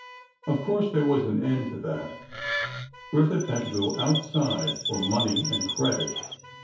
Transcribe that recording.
Of course, there was an end to that: Griffith had to go outside for money and credit.